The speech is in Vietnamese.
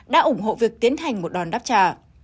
đã ủng hộ việc tiến hành một đòn đáp trả